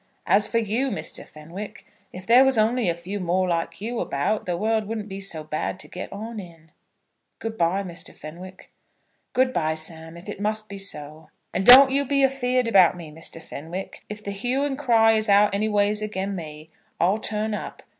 As for you, Mr. Fenwick, if there was only a few more like you about, the world wouldn't be so bad to get on in. Good bye, Mr. Fenwick." "Good bye, Sam; if it must be so." "And don't you be afeared about me, Mr. Fenwick. If the hue and cry is out anyways again me, I'll turn up.